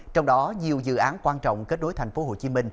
trong đó nhiều dự án quan trọng kết nối tp hcm